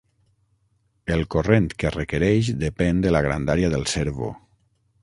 El corrent que requereix depèn de la grandària del servo.